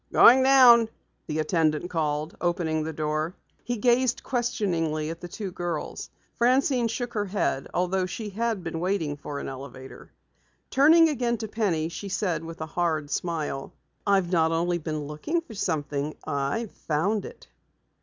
"Going down," the attendant called, opening the door. He gazed questioningly at the two girls. Francine shook her head, although she had been waiting for an elevator. Turning again to Penny she said with a hard smile: "I've not only been looking for something, I've found it!"